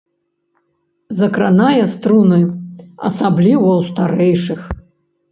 Закранае струны, асабліва ў старэйшых.